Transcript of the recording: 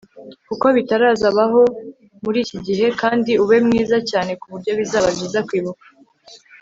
kuko bitaraza baho muri iki gihe kandi ube mwiza cyane ku buryo bizaba byiza kwibuka